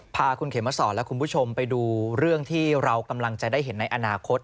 พาคุณเขมสอนและคุณผู้ชมไปดูเรื่องที่เรากำลังจะได้เห็นในอนาคต